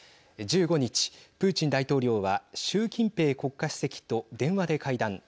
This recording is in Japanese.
１５日、プーチン大統領は習近平国家主席と電話で会談。